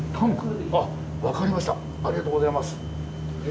ありがとうございます。